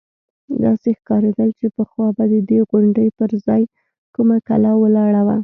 داسې ښکارېدل چې پخوا به د دې غونډۍ پر ځاى کومه کلا ولاړه وه.